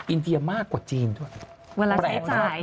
อินเดียมากกว่าจีนด้วย